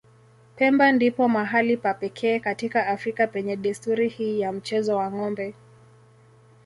Pemba ndipo mahali pa pekee katika Afrika penye desturi hii ya mchezo wa ng'ombe.